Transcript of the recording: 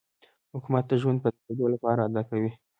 حکومت د ژوندي پاتې کېدو لپاره دا کوي.